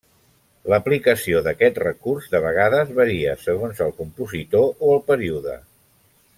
L'aplicació d'aquest recurs de vegades varia segons el compositor o el període.